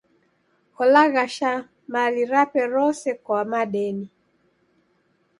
Olaghasha mali rape rose kwa madeni.